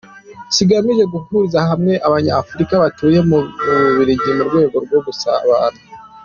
Kigamije guhuriza hamwe Abanya-Afurika batuye mu Bubiligi mu rwego rwo gusabana.